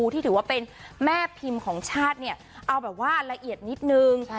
ที่ถือว่าเป็นแม่พิมพ์ของชาติเนี่ยเอาแบบว่าละเอียดนิดนึง